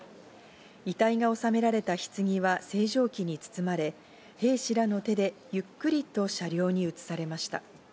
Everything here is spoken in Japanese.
遺体の納められたひつぎは星条旗に包まれ、兵士らの手でゆっくりと車両に移されました。